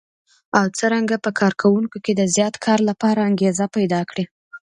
او څرنګه په کار کوونکو کې د زیات کار لپاره انګېزه پيدا کړي.